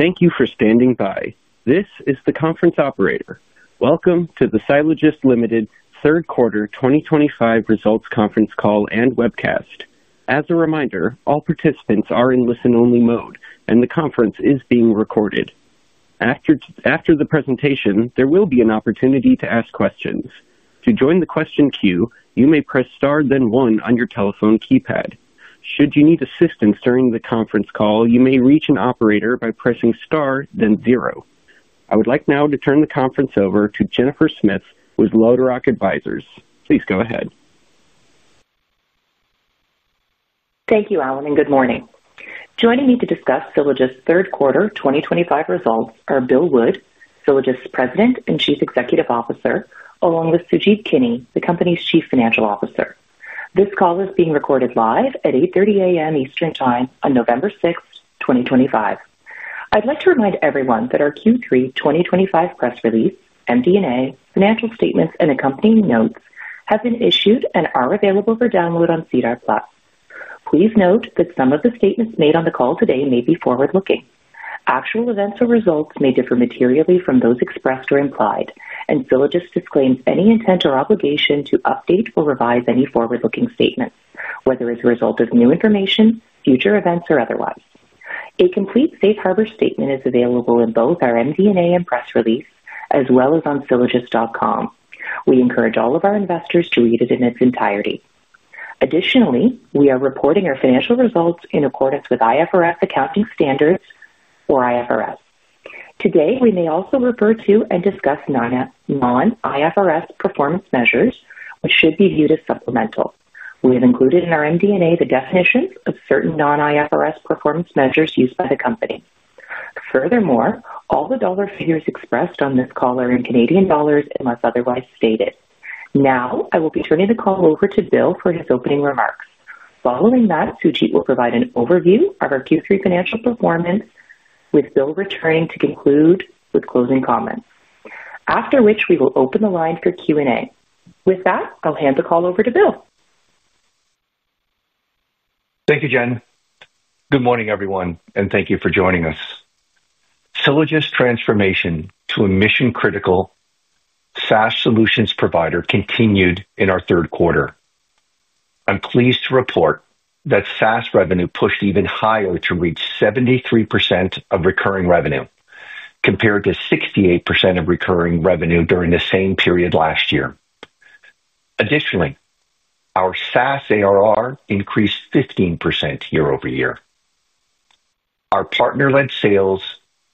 Thank you for standing by. This is the conference operator. Welcome to the Sylogist Limited, third quarter 2025 Results Conference Call and Webcast. As a reminder, all participants are in listen-only mode, and the conference is being recorded. After the presentation, there will be an opportunity to ask questions. To join the question queue, you may press star then one on your telephone keypad. Should you need assistance during the conference call, you may reach an operator by pressing star then zero. I would like now to turn the conference over to Jennifer Smith with Louderock Advisors. Please go ahead. Thank you, Alan, and good morning. Joining me to discuss Sylogist third quarter 2025 results are Bill Wood, Sylogist's President and Chief Executive Officer, along with Sujeet Kini, the company's Chief Financial Officer. This call is being recorded live at 8:30 A.M. Eastern Time on November 6th, 2025. I'd like to remind everyone that our Q3 2025 press release, MD&A, financial statements, and accompanying notes have been issued and are available for download on CDOT Plus. Please note that some of the statements made on the call today may be forward-looking. Actual events or results may differ materially from those expressed or implied, and Sylogist disclaims any intent or obligation to update or revise any forward-looking statements, whether as a result of new information, future events, or otherwise. A complete safe harbor statement is available in both our MD&A and press release, as well as on sylogist.com. We encourage all of our investors to read it in its entirety. Additionally, we are reporting our financial results in accordance with IFRS accounting standards or IFRS. Today, we may also refer to and discuss non-IFRS performance measures, which should be viewed as supplemental. We have included in our MD&A the definitions of certain non-IFRS performance measures used by the company. Furthermore, all the dollar figures expressed on this call are in CAD unless otherwise stated. Now, I will be turning the call over to Bill for his opening remarks. Following that, Sujeet will provide an overview of our Q3 financial performance, with Bill returning to conclude with closing comments, after which we will open the line for Q&A. With that, I'll hand the call over to Bill. Thank you, Jen. Good morning, everyone, and thank you for joining us. Sylogist transformation to a mission-critical SaaS solutions provider continued in our third quarter. I'm pleased to report that SaaS revenue pushed even higher to reach 73% of recurring revenue, compared to 68% of recurring revenue during the same period last year. Additionally, our SaaS ARR increased 15% year-over-year. Our partner-led sales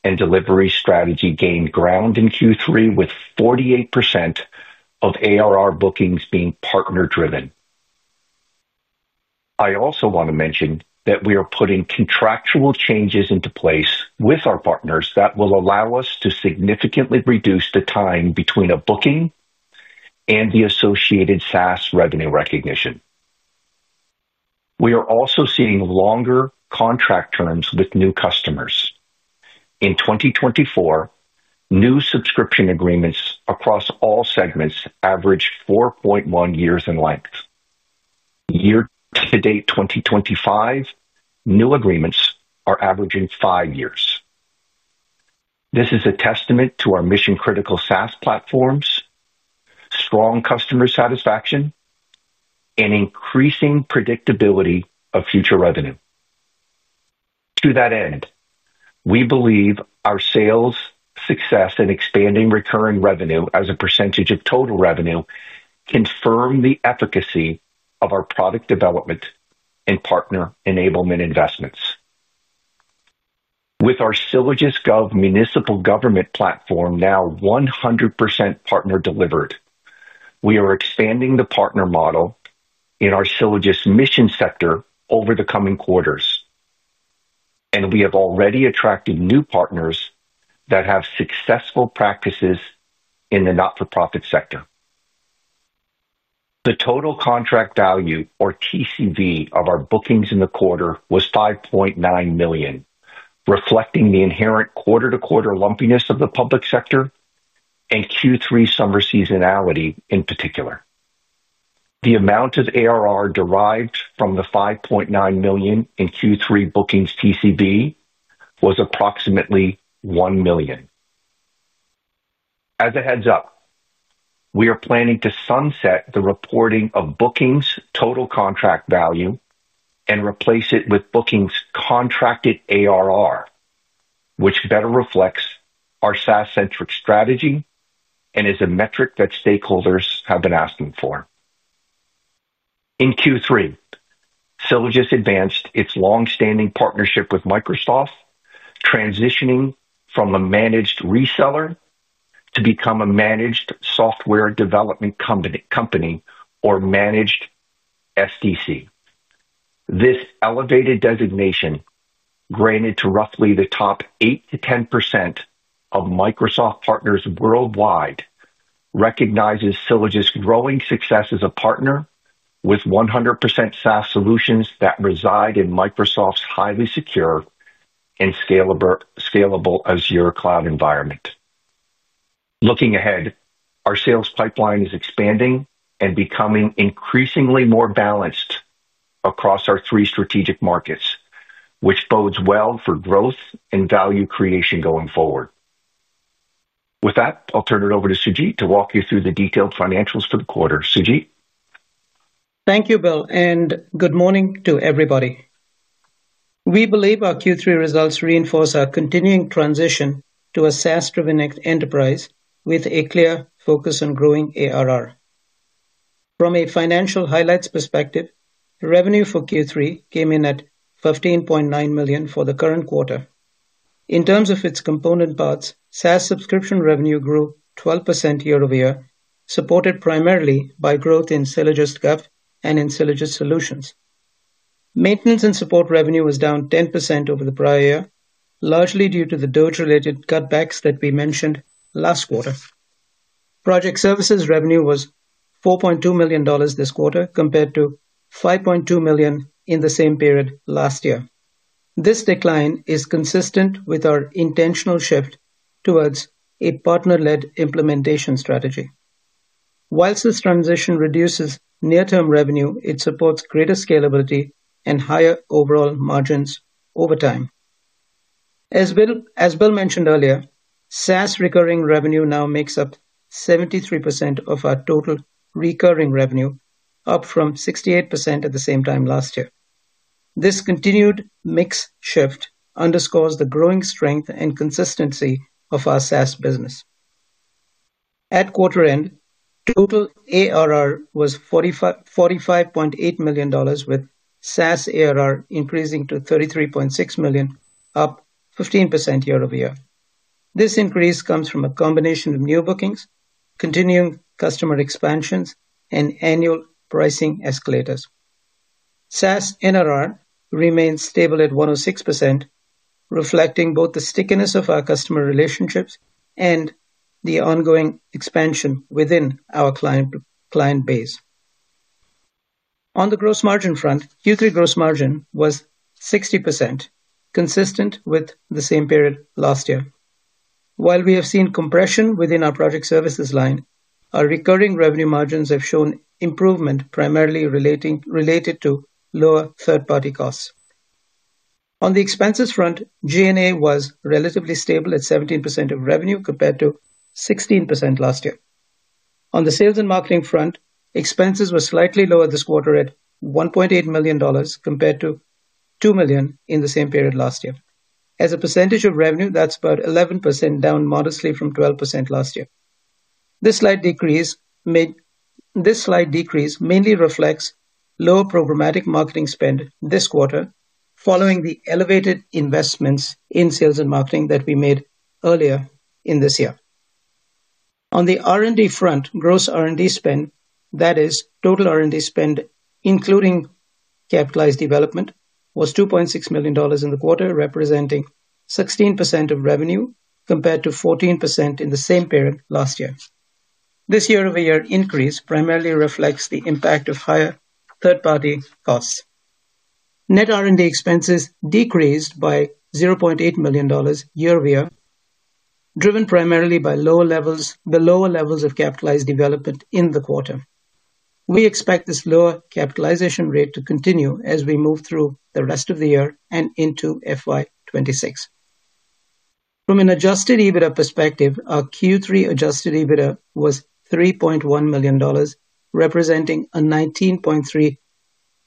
and delivery strategy gained ground in Q3, with 48% of ARR bookings being partner-driven. I also want to mention that we are putting contractual changes into place with our partners that will allow us to significantly reduce the time between a booking and the associated SaaS revenue recognition. We are also seeing longer contract terms with new customers. In 2024, new subscription agreements across all segments averaged 4.1 years in length. Year to date 2025, new agreements are averaging five years. This is a testament to our mission-critical SaaS platforms. Strong customer satisfaction. Increasing predictability of future revenue. To that end, we believe our sales success and expanding recurring revenue as a percentage of total revenue confirm the efficacy of our product development and partner enablement investments. With our Sylogist Gov municipal government platform now 100% partner-delivered, we are expanding the partner model in our Sylogist Mission sector over the coming quarters. We have already attracted new partners that have successful practices in the not-for-profit sector. The total contract value, or TCV, of our bookings in the quarter was 5.9 million, reflecting the inherent quarter-to-quarter lumpiness of the public sector. Q3 summer seasonality in particular. The amount of ARR derived from the 5.9 million in Q3 bookings TCV was approximately 1 million. As a heads-up. We are planning to sunset the reporting of bookings total contract value and replace it with bookings contracted ARR, which better reflects our SaaS-centric strategy and is a metric that stakeholders have been asking for. In Q3, Sylogist advanced its longstanding partnership with Microsoft, transitioning from a managed reseller to become a managed software development company or managed SDC. This elevated designation, granted to roughly the top 8-10% of Microsoft partners worldwide, recognizes Sylogist's growing success as a partner with 100% SaaS solutions that reside in Microsoft's highly secure and scalable Azure Cloud environment. Looking ahead, our sales pipeline is expanding and becoming increasingly more balanced across our three strategic markets, which bodes well for growth and value creation going forward. With that, I'll turn it over to Sujeet to walk you through the detailed financials for the quarter. Sujeet. Thank you, Bill, and good morning to everybody. We believe our Q3 results reinforce our continuing transition to a SaaS-driven enterprise with a clear focus on growing ARR. From a financial highlights perspective, revenue for Q3 came in at 15.9 million for the current quarter. In terms of its component parts, SaaS subscription revenue grew 12% year-over-year, supported primarily by growth in Sylogist Gov and in Sylogist Solutions. Maintenance and support revenue was down 10% over the prior year, largely due to the DOGE-related cutbacks that we mentioned last quarter. Project services revenue was 4.2 million dollars this quarter, compared to 5.2 million in the same period last year. This decline is consistent with our intentional shift towards a partner-led implementation strategy. Whilst this transition reduces near-term revenue, it supports greater scalability and higher overall margins over time. As Bill mentioned earlier, SaaS recurring revenue now makes up 73% of our total recurring revenue, up from 68% at the same time last year. This continued mix shift underscores the growing strength and consistency of our SaaS business. At quarter end, total ARR was 45.8 million dollars, with SaaS ARR increasing to 33.6 million, up 15% year-over-year. This increase comes from a combination of new bookings, continuing customer expansions, and annual pricing escalators. SaaS NRR remains stable at 106%, reflecting both the stickiness of our customer relationships and the ongoing expansion within our client base. On the gross margin front, Q3 gross margin was 60%, consistent with the same period last year. While we have seen compression within our project services line, our recurring revenue margins have shown improvement, primarily related to lower third-party costs. On the expenses front, G&A was relatively stable at 17% of revenue, compared to 16% last year. On the sales and marketing front, expenses were slightly lower this quarter at 1.8 million dollars, compared to 2 million in the same period last year. As a percentage of revenue, that's about 11%, down modestly from 12% last year. This slight decrease mainly reflects lower programmatic marketing spend this quarter, following the elevated investments in sales and marketing that we made earlier in this year. On the R&D front, gross R&D spend, that is, total R&D spend including capitalized development, was 2.6 million dollars in the quarter, representing 16% of revenue, compared to 14% in the same period last year. This year-over-year increase primarily reflects the impact of higher third-party costs. Net R&D expenses decreased by 0.8 million dollars yearover-year, driven primarily by the lower levels of capitalized development in the quarter. We expect this lower capitalization rate to continue as we move through the rest of the year and into FY2026. From an adjusted EBITDA perspective, our Q3 adjusted EBITDA was $3.1 million, representing a 19.3%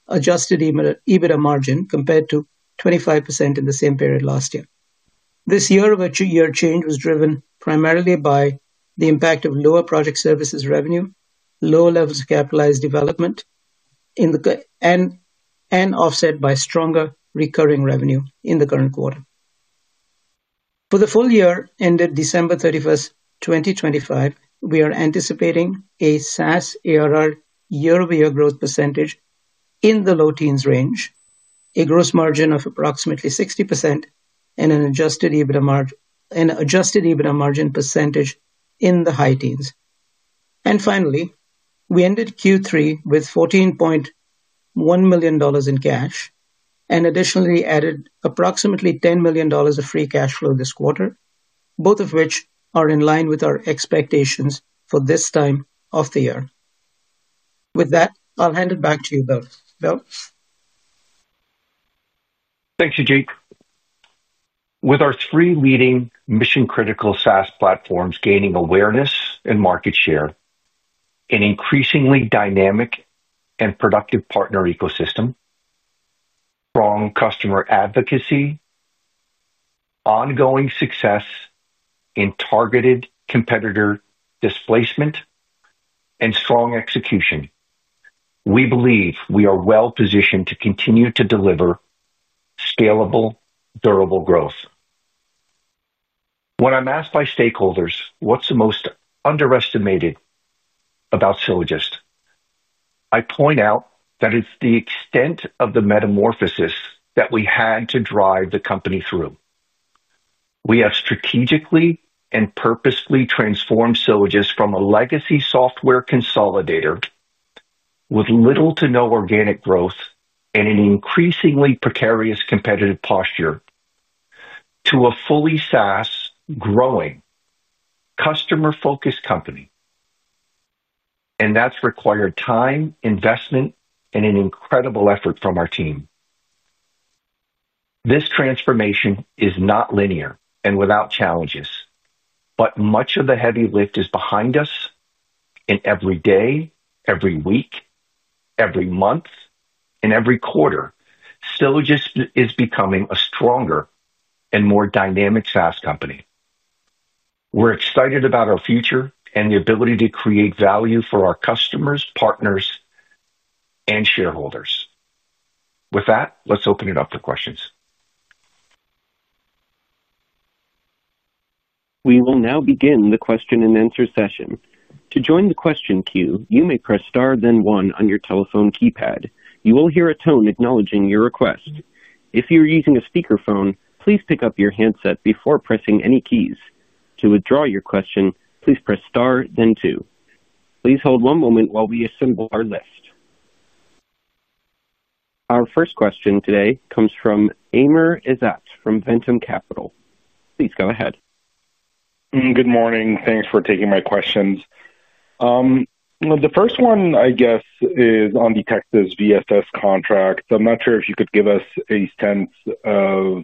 adjusted EBITDA margin, compared to 25% in the same period last year. This year-over-year change was driven primarily by the impact of lower project services revenue, lower levels of capitalized development, and offset by stronger recurring revenue in the current quarter. For the full year ended December 31, 2025, we are anticipating a SaaS ARR year-over-year growth percentage in the low teens range, a gross margin of approximately 60%, and an adjusted EBITDA margin percentage in the high teens. Finally, we ended Q3 with $14. $1 million in cash and additionally added approximately $10 million of free cash flow this quarter, both of which are in line with our expectations for this time of the year. With that, I'll hand it back to you, Bill. Bill? Thanks, Sujeet. With our three leading mission-critical SaaS platforms gaining awareness and market share, an increasingly dynamic and productive partner ecosystem, strong customer advocacy, ongoing success in targeted competitor displacement, and strong execution, we believe we are well positioned to continue to deliver scalable, durable growth. When I'm asked by stakeholders, what's the most underestimated about Sylogist? I point out that it's the extent of the metamorphosis that we had to drive the company through. We have strategically and purposefully transformed Sylogist from a legacy software consolidator with little to no organic growth and an increasingly precarious competitive posture to a fully SaaS-growing, customer-focused company. That has required time, investment, and an incredible effort from our team. This transformation is not linear and without challenges, but much of the heavy lift is behind us, in every day, every week, every month, and every quarter. Sylogist is becoming a stronger and more dynamic SaaS company. We're excited about our future and the ability to create value for our customers, partners, and shareholders. With that, let's open it up for questions. We will now begin the question-and-answer session. To join the question queue, you may press Star, then 1 on your telephone keypad. You will hear a tone acknowledging your request. If you're using a speakerphone, please pick up your handset before pressing any keys. To withdraw your question, please press Star, then 2. Please hold one moment while we assemble our list. Our first question today comes from Amr Ezzat from Ventum Capital. Please go ahead. Good morning. Thanks for taking my questions. The first one, I guess, is on the Texas VSS contract. I'm not sure if you could give us a sense of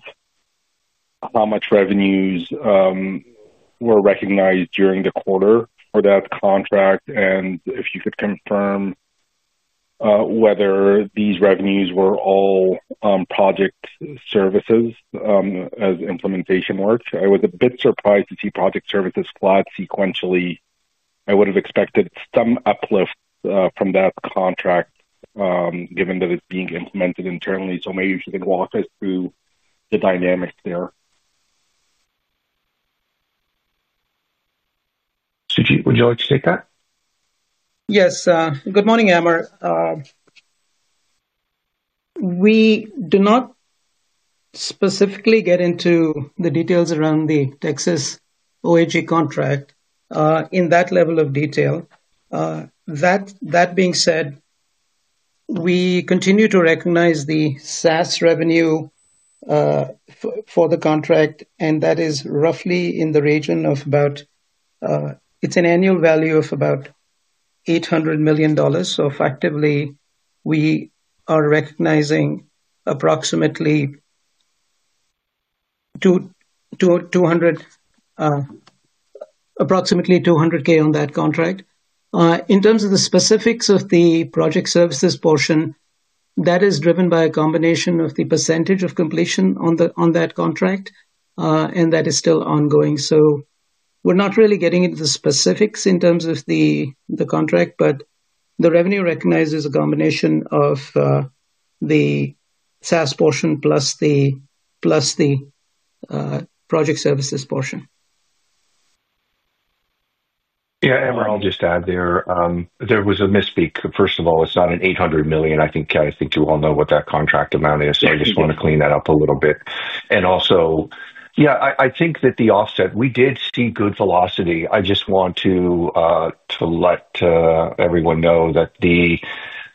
how much revenues were recognized during the quarter for that contract and if you could confirm whether these revenues were all project services as implementation worked. I was a bit surprised to see project services flat sequentially. I would have expected some uplift from that contract, given that it's being implemented internally. Maybe you could walk us through the dynamics there. Sujeet, would you like to take that? Yes. Good morning, Amer. We do not specifically get into the details around the Texas OHE contract in that level of detail. That being said, we continue to recognize the SaaS revenue for the contract, and that is roughly in the region of about, it is an annual value of about $800,000. So effectively, we are recognizing approximately $200,000 on that contract. In terms of the specifics of the project services portion, that is driven by a combination of the percentage of completion on that contract, and that is still ongoing. We are not really getting into the specifics in terms of the contract, but the revenue recognized is a combination of the SaaS portion plus the project services portion. Yeah. I'll just add there, there was a misspeak. First of all, it's not an $800 million. I think you all know what that contract amount is. I just want to clean that up a little bit. Also, I think that the offset, we did see good velocity. I just want to let everyone know that the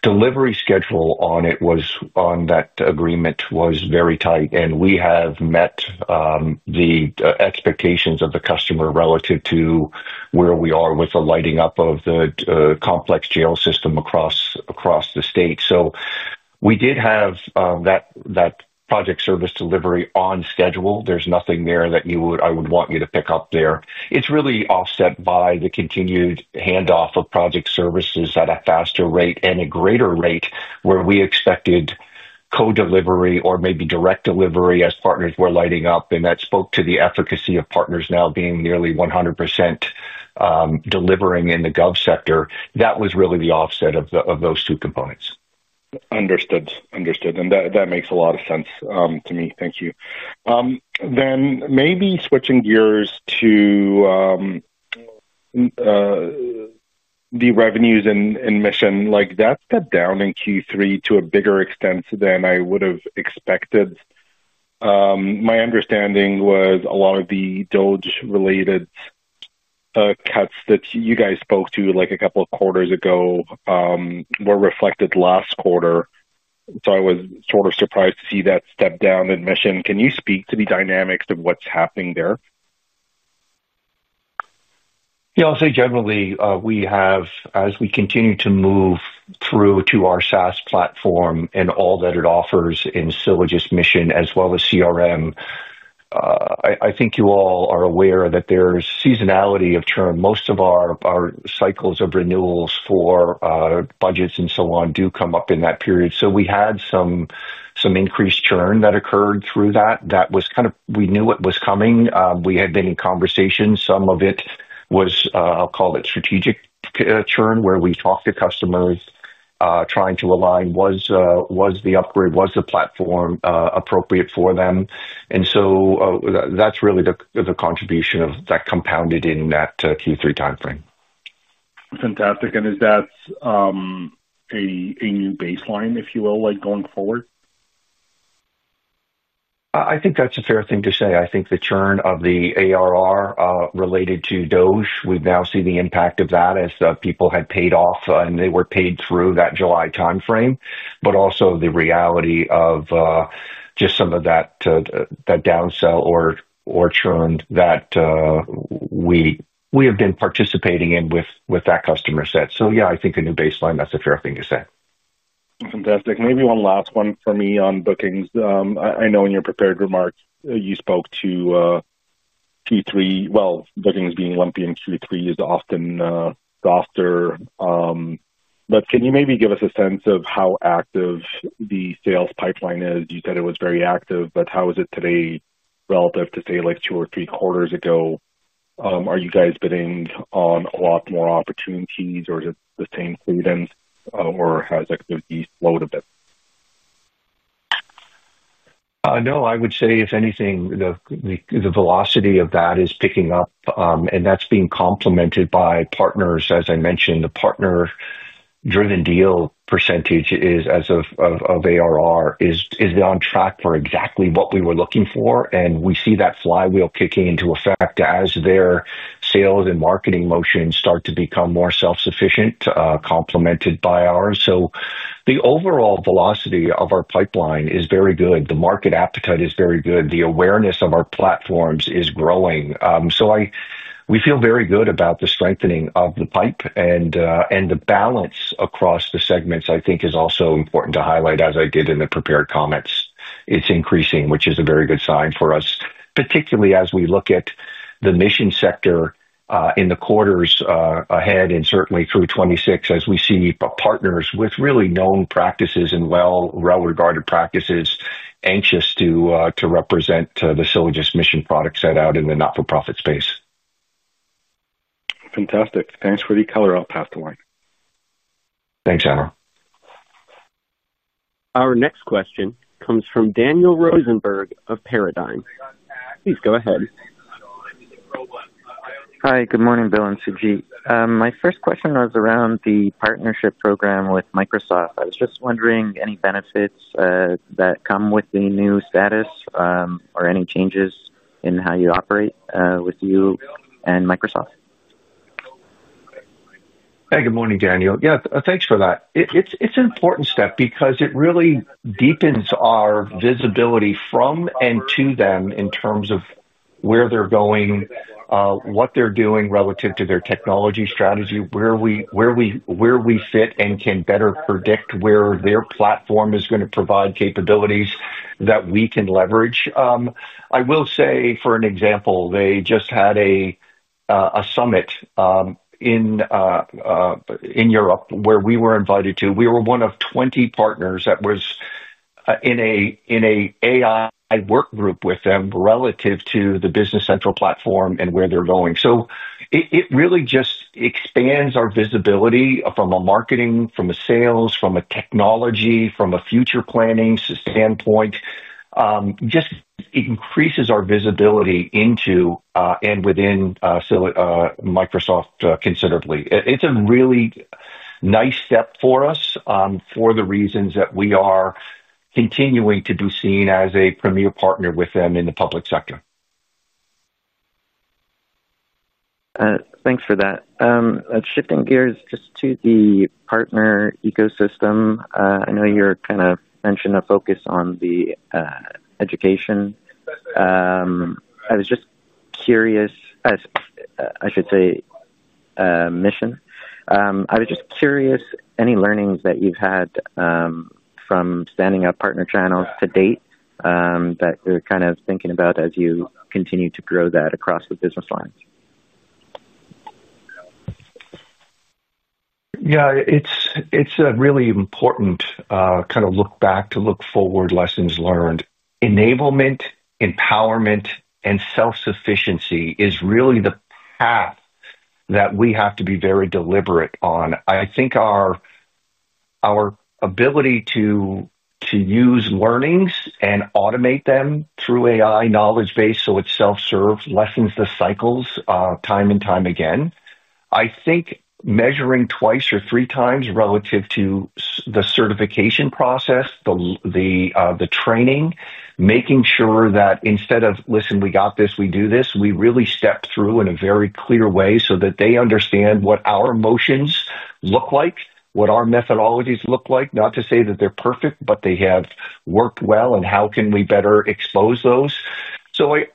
delivery schedule on that agreement was very tight, and we have met the expectations of the customer relative to where we are with the lighting up of the complex jail system across the state. We did have that project service delivery on schedule. There's nothing there that I would want you to pick up. It's really offset by the continued handoff of project services at a faster rate and a greater rate where we expected co-delivery or maybe direct delivery as partners were lighting up. That spoke to the efficacy of partners now being nearly 100%, delivering in the gov sector. That was really the offset of those two components. Understood. Understood. That makes a lot of sense to me. Thank you. Maybe switching gears to the revenues in Mission, that is cut down in Q3 to a bigger extent than I would have expected. My understanding was a lot of the DOGE-related cuts that you guys spoke to a couple of quarters ago were reflected last quarter. I was sort of surprised to see that step down in Mission. Can you speak to the dynamics of what is happening there? Yeah. I'll say generally, as we continue to move through to our SaaS platform and all that it offers in Sylogist Mission as well as CRM. I think you all are aware that there's seasonality of churn. Most of our cycles of renewals for budgets and so on do come up in that period. We had some increased churn that occurred through that. That was kind of, we knew it was coming. We had been in conversation. Some of it was, I'll call it, strategic churn, where we talked to customers trying to align. Was the upgrade, was the platform appropriate for them? That's really the contribution of that compounded in that Q3 timeframe. Fantastic. Is that a new baseline, if you will, going forward? I think that's a fair thing to say. I think the churn of the ARR related to DOGE, we've now seen the impact of that as people had paid off and they were paid through that July timeframe, but also the reality of just some of that downsell or churn that we have been participating in with that customer set. Yeah, I think a new baseline, that's a fair thing to say. Fantastic. Maybe one last one for me on bookings. I know in your prepared remarks, you spoke to Q3. Bookings being lumpy in Q3 is often softer. Can you maybe give us a sense of how active the sales pipeline is? You said it was very active, but how is it today relative to, say, two or three quarters ago? Are you guys bidding on a lot more opportunities, or is it the same cadence, or has it slowed a bit? No, I would say, if anything, the velocity of that is picking up, and that's being complemented by partners, as I mentioned. The partner-driven deal percentage of ARR is on track for exactly what we were looking for. We see that flywheel kicking into effect as their sales and marketing motions start to become more self-sufficient, complemented by ours. The overall velocity of our pipeline is very good. The market appetite is very good. The awareness of our platforms is growing. We feel very good about the strengthening of the pipe, and the balance across the segments, I think, is also important to highlight, as I did in the prepared comments. It's increasing, which is a very good sign for us, particularly as we look at the mission sector in the quarters ahead and certainly through 2026, as we see partners with really known practices and well-regarded practices anxious to represent the Sylogist Mission product set out in the not-for-profit space. Fantastic. Thanks for the color, out path to line. Thanks, Amar. Our next question comes from Daniel Rosenberg of Paradigm. Please go ahead. Hi. Good morning, Bill and Sujeet. My first question was around the partnership program with Microsoft. I was just wondering any benefits that come with the new status or any changes in how you operate with you and Microsoft? Hey, good morning, Daniel. Yeah, thanks for that. It's an important step because it really deepens our visibility from and to them in terms of where they're going, what they're doing relative to their technology strategy, where we fit and can better predict where their platform is going to provide capabilities that we can leverage. I will say, for an example, they just had a summit in Europe where we were invited to. We were one of 20 partners that was in an AI work group with them relative to the Business Central platform and where they're going. It really just expands our visibility from a marketing, from a sales, from a technology, from a future planning standpoint. It just increases our visibility into and within Microsoft considerably. It's a really nice step for us for the reasons that we are. Continuing to be seen as a premier partner with them in the public sector. Thanks for that. Shifting gears just to the partner ecosystem, I know you kind of mentioned a focus on the education. I was just curious. I should say mission. I was just curious any learnings that you've had from standing up partner channels to date that you're kind of thinking about as you continue to grow that across the business lines. Yeah. It's a really important kind of look back to look forward lessons learned. Enablement, empowerment, and self-sufficiency is really the path that we have to be very deliberate on. I think our ability to use learnings and automate them through AI knowledge base so it self-serves lessens the cycles time and time again. I think measuring twice or three times relative to the certification process, the training, making sure that instead of, "Listen, we got this, we do this," we really step through in a very clear way so that they understand what our emotions look like, what our methodologies look like. Not to say that they're perfect, but they have worked well and how can we better expose those.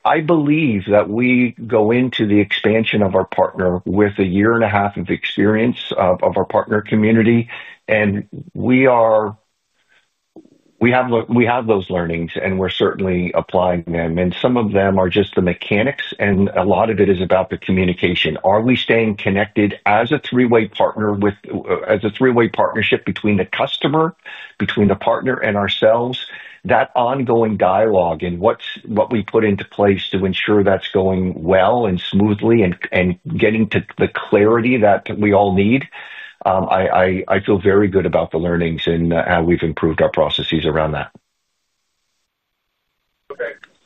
I believe that we go into the expansion of our partner with a year and a half of experience of our partner community. And we. Have those learnings, and we're certainly applying them. Some of them are just the mechanics, and a lot of it is about the communication. Are we staying connected as a three-way partner, between the customer, between the partner, and ourselves? That ongoing dialogue and what we put into place to ensure that's going well and smoothly and getting to the clarity that we all need. I feel very good about the learnings and how we've improved our processes around that.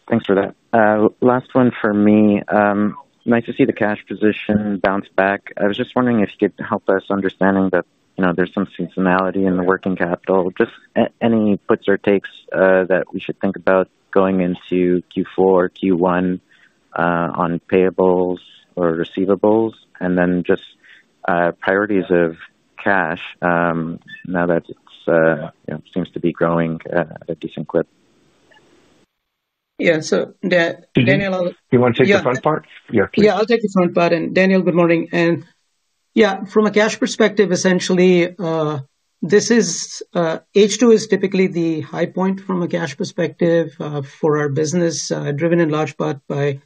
Thanks for that. Last one for me. Nice to see the cash position bounce back. I was just wondering if you could help us understanding that there's some seasonality in the working capital. Just any puts or takes that we should think about going into Q4, Q1. On payables or receivables, and then just. Priorities of cash. Now that it seems to be growing at a decent clip. Yeah. So, Daniel, I'll. Do you want to take the front part? Yeah. I'll take the front part. And Daniel, good morning. Yeah, from a cash perspective, essentially. H2 is typically the high point from a cash perspective for our business, driven in large part by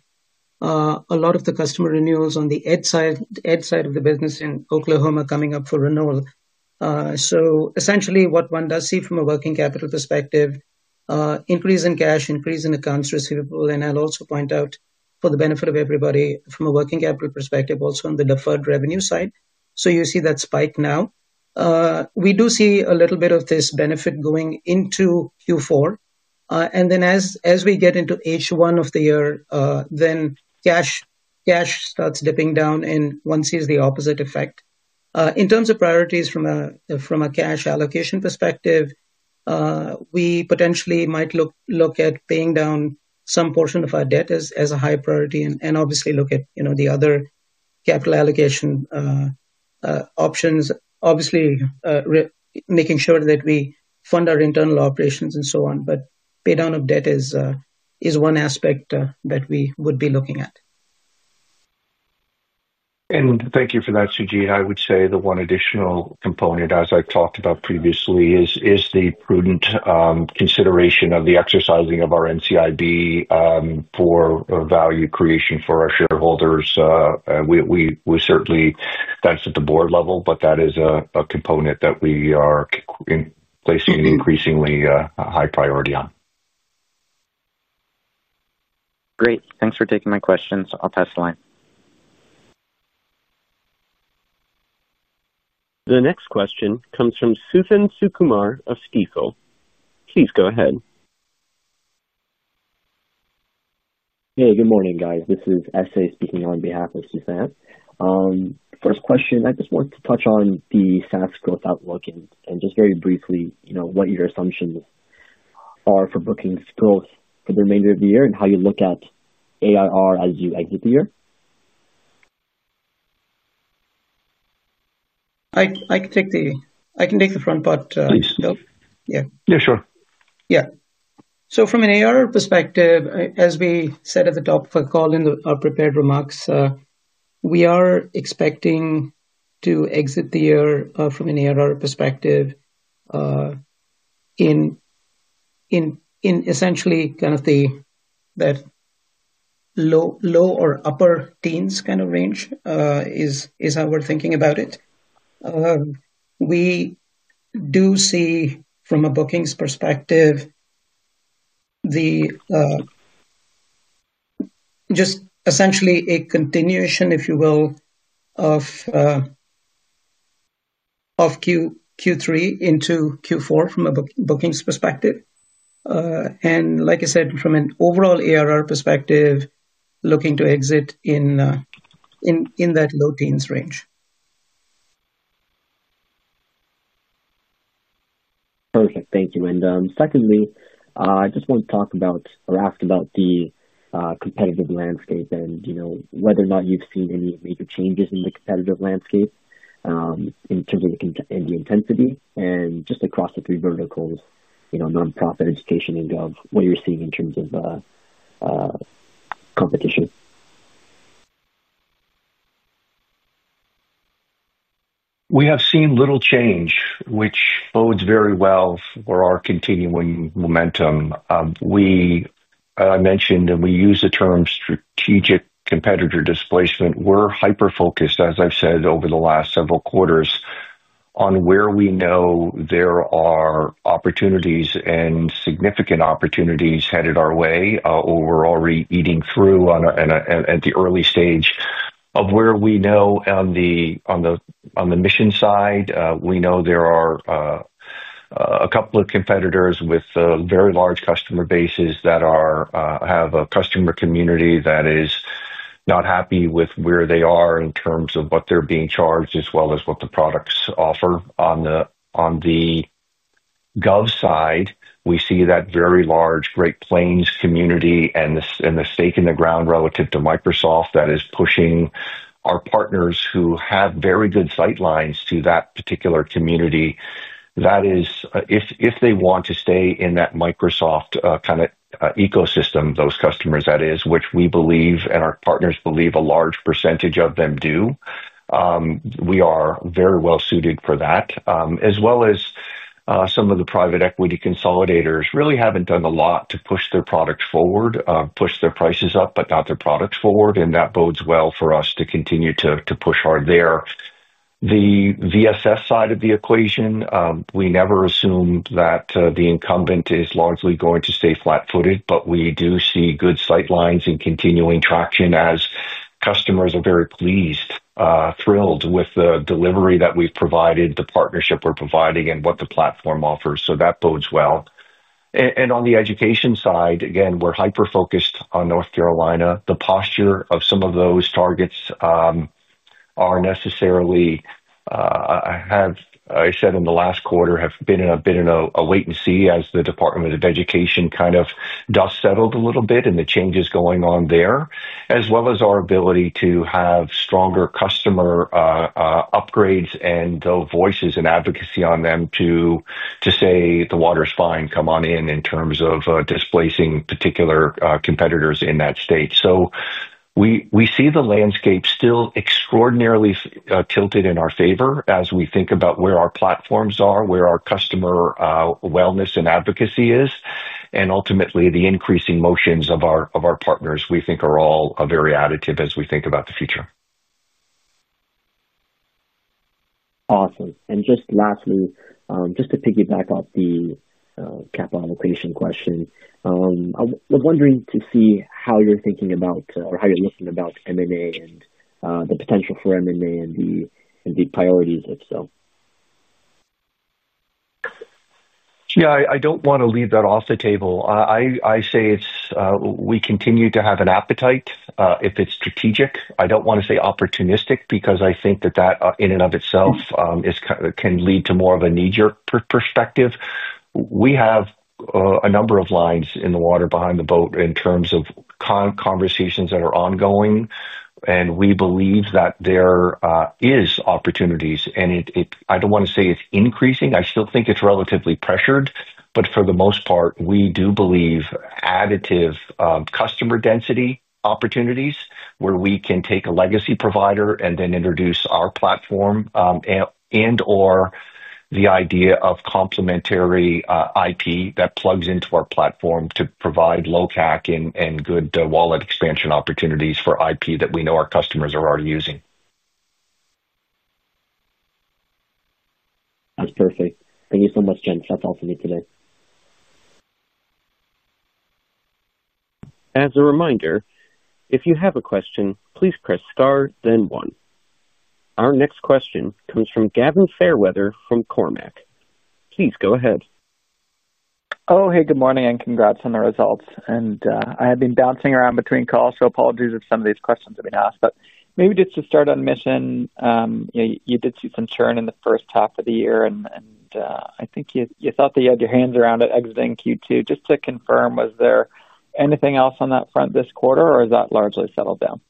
a lot of the customer renewals on the edge side of the business in Oklahoma coming up for renewal. Essentially, what one does see from a working capital perspective is increase in cash, increase in accounts receivable. I'll also point out, for the benefit of everybody, from a working capital perspective, also on the deferred revenue side. You see that spike now. We do see a little bit of this benefit going into Q4. As we get into H1 of the year, then cash starts dipping down, and one sees the opposite effect. In terms of priorities from a cash allocation perspective. We potentially might look at paying down some portion of our debt as a high priority and obviously look at the other capital allocation options. Obviously, making sure that we fund our internal operations and so on. Pay down of debt is one aspect that we would be looking at. Thank you for that, Sujeet. I would say the one additional component, as I talked about previously, is the prudent consideration of the exercising of our NCIB for value creation for our shareholders. We certainly—that's at the board level—but that is a component that we are placing an increasingly high priority on. Great. Thanks for taking my questions. I'll pass the line. The next question comes from Susan Sukumar of STEEKO. Please go ahead. Hey, good morning, guys. This is Esay speaking on behalf of Susan. First question, I just want to touch on the SaaS growth outlook and just very briefly what your assumptions are for bookings growth for the remainder of the year and how you look at ARR as you exit the year. I can take the—I can take the front part. Please. Yeah. Yeah, sure. Yeah. From an ARR perspective, as we said at the top of our call in our prepared remarks, we are expecting to exit the year from an ARR perspective in essentially kind of the low or upper teens kind of range is how we're thinking about it. We do see from a bookings perspective just essentially a continuation, if you will, of Q3 into Q4 from a bookings perspective. Like I said, from an overall ARR perspective, looking to exit in that low teens range. Perfect. Thank you. Secondly, I just want to talk about or ask about the competitive landscape and whether or not you've seen any major changes in the competitive landscape. In terms of the intensity and just across the three verticals, nonprofit, education, and gov, what you're seeing in terms of competition. We have seen little change, which bodes very well for our continuing momentum. As I mentioned, we use the term strategic competitor displacement. We're hyper-focused, as I've said, over the last several quarters on where we know there are opportunities and significant opportunities headed our way, or we're already eating through at the early stage of where we know on the Mission side. We know there are a couple of competitors with very large customer bases that have a customer community that is not happy with where they are in terms of what they're being charged as well as what the products offer. On the Gov side, we see that very large Great Plains community and the stake in the ground relative to Microsoft that is pushing our partners who have very good sight lines to that particular community. If they want to stay in that Microsoft kind of ecosystem, those customers, that is, which we believe and our partners believe a large percentage of them do, we are very well suited for that as well. Some of the private equity consolidators really have not done a lot to push their products forward, push their prices up, but not their products forward. That bodes well for us to continue to push hard there. The VSS side of the equation, we never assumed that the incumbent is largely going to stay flat-footed, but we do see good sight lines and continuing traction as customers are very pleased, thrilled with the delivery that we have provided, the partnership we are providing, and what the platform offers. That bodes well. On the education side, again, we are hyper-focused on North Carolina. The posture of some of those targets are necessarily. I said in the last quarter, have been in a wait and see as the Department of Education kind of dust settled a little bit and the changes going on there, as well as our ability to have stronger customer upgrades and voices and advocacy on them to say, "The water's fine, come on in," in terms of displacing particular competitors in that state. We see the landscape still extraordinarily tilted in our favor as we think about where our platforms are, where our customer wellness and advocacy is. Ultimately, the increasing motions of our partners, we think, are all very additive as we think about the future. Awesome. Just lastly, just to piggyback off the capital allocation question, I was wondering to see how you're thinking about or how you're looking about M&A and the potential for M&A and the priorities of so. Yeah, I do not want to leave that off the table. I say we continue to have an appetite if it is strategic. I do not want to say opportunistic because I think that that in and of itself can lead to more of a knee-jerk perspective. We have a number of lines in the water behind the boat in terms of conversations that are ongoing. We believe that there are opportunities. I do not want to say it is increasing. I still think it is relatively pressured. For the most part, we do believe additive customer density opportunities where we can take a legacy provider and then introduce our platform, and/or the idea of complementary IP that plugs into our platform to provide low CAC and good wallet expansion opportunities for IP that we know our customers are already using. That's perfect. Thank you so much, Jen. That's all for me today. As a reminder, if you have a question, please press star, then one. Our next question comes from Gavin Fairweather from Cormark. Please go ahead. Oh, hey, good morning and congrats on the results. I have been bouncing around between calls, so apologies if some of these questions have been asked. Maybe just to start on Mission. You did see some churn in the first half of the year, and I think you thought that you had your hands around it exiting Q2. Just to confirm, was there anything else on that front this quarter, or is that largely settled down?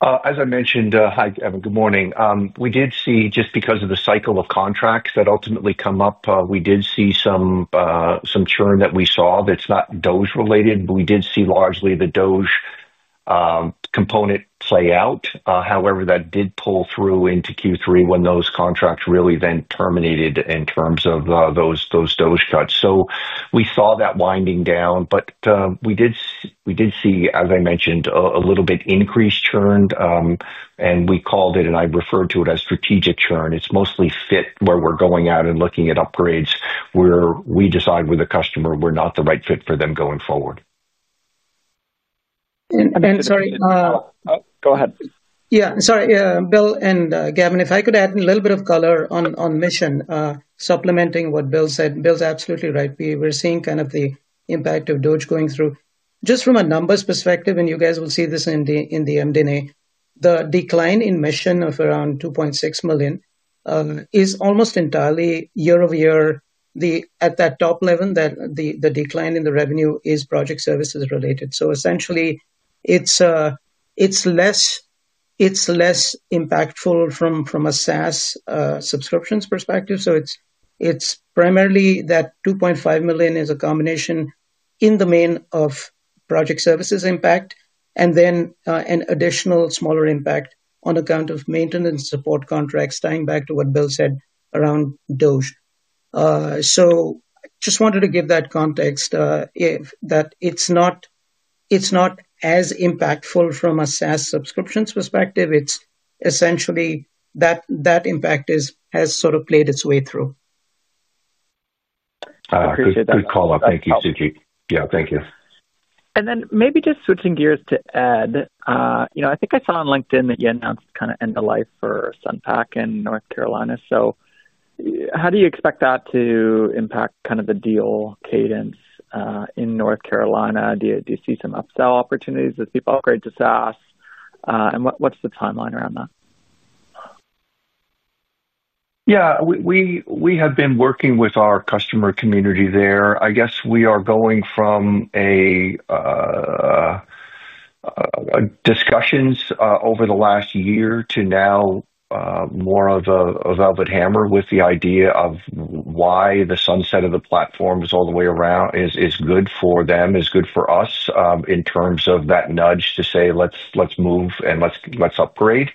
As I mentioned, good morning. We did see, just because of the cycle of contracts that ultimately come up, we did see some churn that we saw that's not DOGE-related. We did see largely the DOGE component play out. However, that did pull through into Q3 when those contracts really then terminated in terms of those DOGE cuts. We saw that winding down, but we did see, as I mentioned, a little bit increased churn. We called it, and I referred to it as strategic churn. It's mostly fit where we're going out and looking at upgrades where we decide with a customer we're not the right fit for them going forward. And sorry. Go ahead. Yeah. Sorry, Bill and Gavin, if I could add a little bit of color on mission, supplementing what Bill said, Bill's absolutely right. We were seeing kind of the impact of DOGE going through. Just from a numbers perspective, and you guys will see this in the MD&A, the decline in mission of around 2.6 million is almost entirely year-over-year. At that top level, the decline in the revenue is project services related. Essentially, it is less impactful from a SaaS subscriptions perspective. Primarily, that 2.5 million is a combination in the main of project services impact and then an additional smaller impact on account of maintenance support contracts tying back to what Bill said around DOGE. I just wanted to give that context. It is not as impactful from a SaaS subscriptions perspective. Essentially, that impact has sort of played its way through. Appreciate that. Good call-up. Thank you, Sujeet. Yeah, thank you. Maybe just switching gears to add, I think I saw on LinkedIn that you announced kind of end-of-life for SunPak in North Carolina. How do you expect that to impact kind of the deal cadence in North Carolina? Do you see some upsell opportunities as people upgrade to SaaS? What's the timeline around that? Yeah. We have been working with our customer community there. I guess we are going from discussions over the last year to now more of a velvet hammer with the idea of why the sunset of the platform is all the way around is good for them, is good for us in terms of that nudge to say, "Let's move and let's upgrade."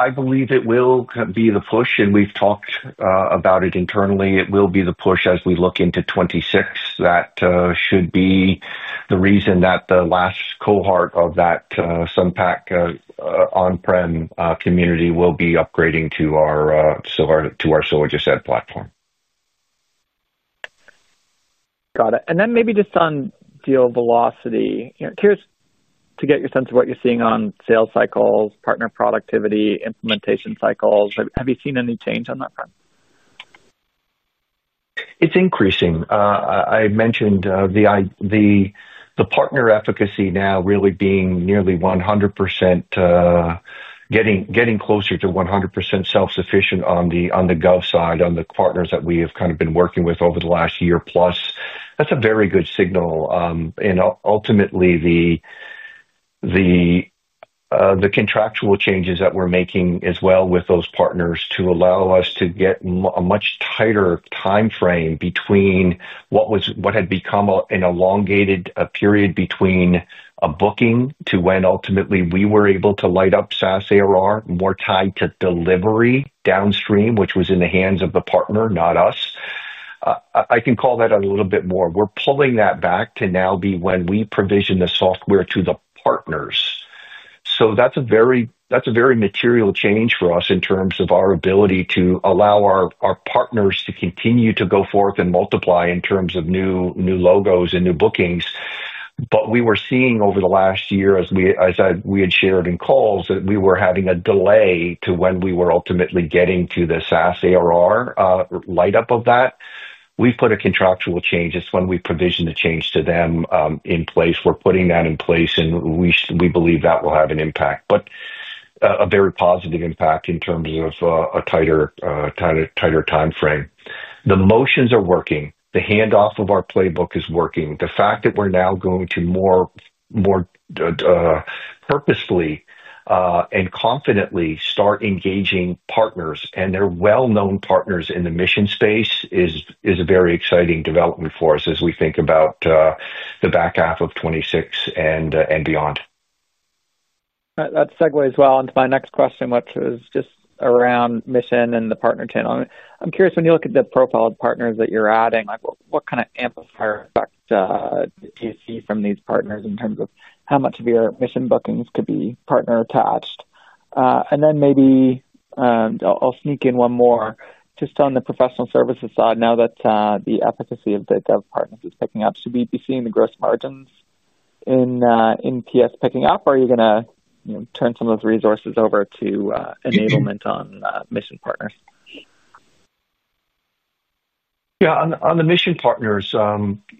I believe it will be the push, and we've talked about it internally. It will be the push as we look into 2026. That should be the reason that the last cohort of that SunPak on-prem community will be upgrading to our Sylogist SaaS platform. Got it. Maybe just on deal velocity, curious to get your sense of what you're seeing on sales cycles, partner productivity, implementation cycles. Have you seen any change on that front? It's increasing. I mentioned the partner efficacy now really being nearly 100%. Getting closer to 100% self-sufficient on the gov side, on the partners that we have kind of been working with over the last year plus. That's a very good signal. Ultimately, the contractual changes that we're making as well with those partners allow us to get a much tighter timeframe between what had become an elongated period between a booking to when ultimately we were able to light up SaaS ARR more tied to delivery downstream, which was in the hands of the partner, not us. I can call that a little bit more. We're pulling that back to now be when we provision the software to the partners. So that's a very. Material change for us in terms of our ability to allow our partners to continue to go forth and multiply in terms of new logos and new bookings. We were seeing over the last year, as we had shared in calls, that we were having a delay to when we were ultimately getting to the SaaS ARR light-up of that. We have put a contractual change. It is when we provision the change to them in place. We are putting that in place, and we believe that will have an impact, a very positive impact in terms of a tighter timeframe. The motions are working. The handoff of our playbook is working. The fact that we are now going to more purposefully and confidently start engaging partners and their well-known partners in the mission space is a very exciting development for us as we think about. The back half of 2026 and beyond. That segues well into my next question, which is just around mission and the partner channel. I'm curious, when you look at the profile of partners that you're adding, what kind of amplifier effect do you see from these partners in terms of how much of your mission bookings could be partner-attached? And then maybe I'll sneak in one more just on the professional services side now that the efficacy of the gov partners is picking up. So we've been seeing the gross margins in PS picking up. Are you going to turn some of those resources over to enablement on mission partners? Yeah. On the mission partners.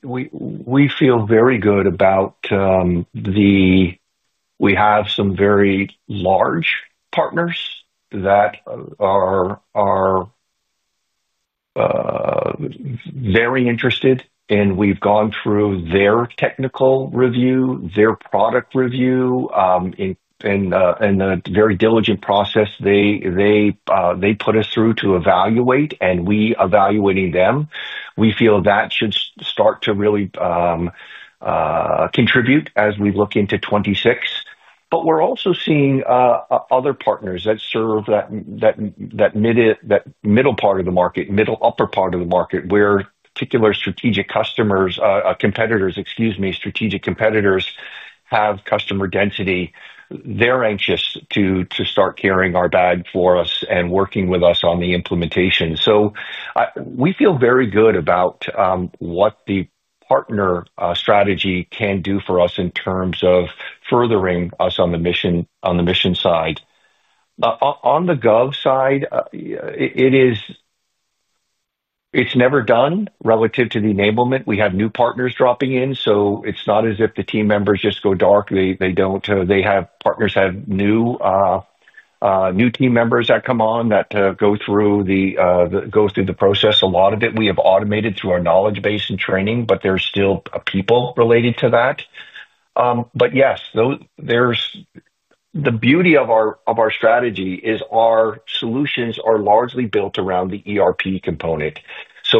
We feel very good about. We have some very large partners that are very interested, and we've gone through their technical review, their product review, in a very diligent process. They put us through to evaluate, and we evaluating them. We feel that should start to really contribute as we look into 2026. We are also seeing other partners that serve that middle part of the market, middle upper part of the market, where particular strategic competitors have customer density. They're anxious to start carrying our bag for us and working with us on the implementation. We feel very good about what the partner strategy can do for us in terms of furthering us on the mission side. On the gov side, it's never done relative to the enablement. We have new partners dropping in. It is not as if the team members just go dark. They have partners, have new team members that come on that go through the process. A lot of it we have automated through our knowledge base and training, but there are still people related to that. Yes, the beauty of our strategy is our solutions are largely built around the ERP component.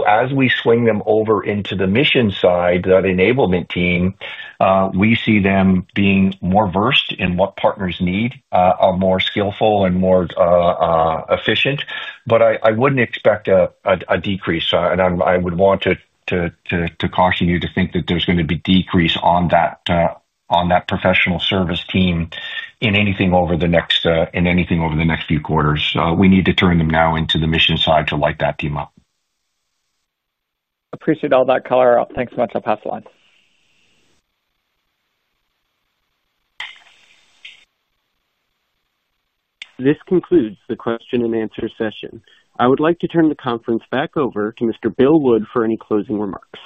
As we swing them over into the mission side, that enablement team, we see them being more versed in what partners need, are more skillful and more efficient. I would not expect a decrease, and I would want to caution you to think that there is going to be a decrease on that professional service team in anything over the next few quarters. We need to turn them now into the mission side to light that team up. Appreciate all that color. Thanks so much. I'll pass the line. This concludes the question and answer session. I would like to turn the conference back over to Mr. Bill Wood for any closing remarks.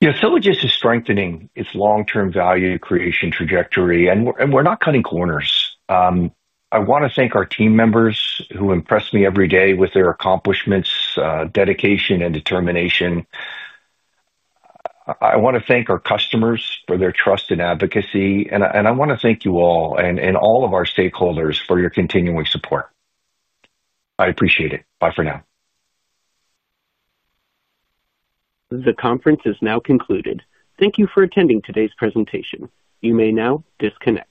Yeah. Sylogist is strengthening its long-term value creation trajectory. We are not cutting corners. I want to thank our team members who impress me every day with their accomplishments, dedication, and determination. I want to thank our customers for their trust and advocacy. I want to thank you all and all of our stakeholders for your continuing support. I appreciate it. Bye for now. The conference is now concluded. Thank you for attending today's presentation. You may now disconnect.